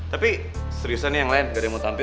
tapi seriusnya nih yang lain gak ada yang mau tampil